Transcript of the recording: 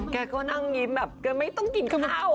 แกก็นั่งยิ้มแบบแกไม่ต้องกินข้าว